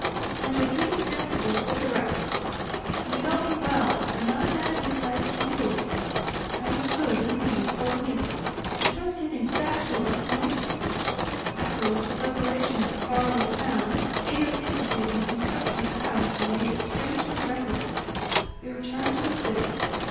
"And your heated fantasies did the rest." "You know me well; I'm not a man who excites easily. I was good, indeed, for Luisa; I tried giving factual explanations: echoes, reverberations of far away sounds; idiosyncrasies in the construction of the house that made it strangely resonant. .. We returned to the city.